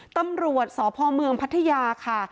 ตำรวจศพพัทยาค่ะ